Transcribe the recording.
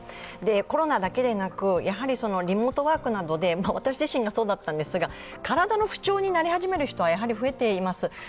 コロナだけでなくリモートワークなどで私自身がそうだったんですが体の不調になり始める人が増えています。